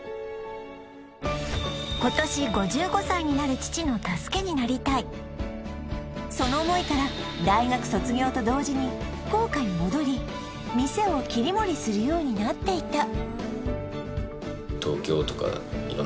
今年５５歳になるその思いから大学卒業と同時に福岡に戻り店を切り盛りするようになっていた